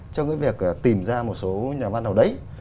trong cái việc tìm ra một số nhà văn nào đấy